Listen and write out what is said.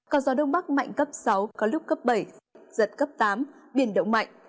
có gió đông bắc mạnh cấp sáu có lúc cấp bảy giật cấp tám biển động mạnh